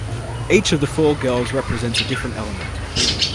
Each of the four girls represents a different element.